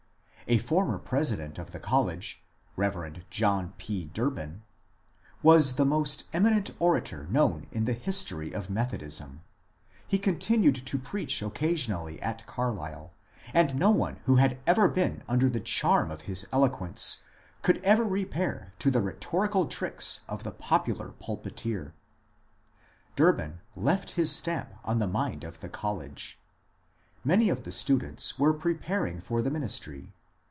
A former president of the college, Rev. John P. Durbin, was the most eminent orator known in the history of Methodism ; he continued tx) preach occasion ally at Carlisle, and no one who had ever been under the charm of his eloquence could ever repair to the rhetorical tricks of the popular pulpiteer. Durbin left his stamp on the mind of the college. Many of the students were preparing for the ministry.